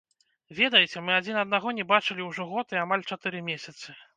Ведаеце, мы адзін аднаго не бачылі ўжо год і амаль чатыры месяцы.